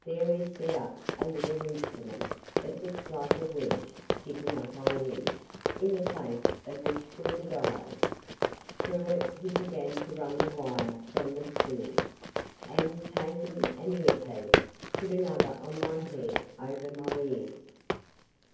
There he set up a little instrument that looked like a wedge sitting up on end, in the face of which was a dial. Through it he began to run the wire from the spools, and, taking an earpiece, put another on my head over my ears.